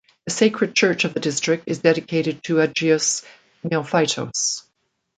The sacred church of the district is dedicated to Agios Neophytos.